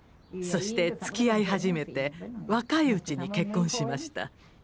そしてつきあい始めて若いうちに結婚しました。